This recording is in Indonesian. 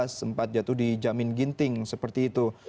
sempat jatuh di jamin ginting seperti itu